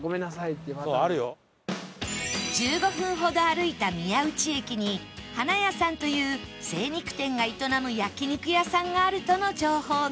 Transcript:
１５分ほど歩いた宮内駅にハナヤさんという精肉店が営む焼肉屋さんがあるとの情報が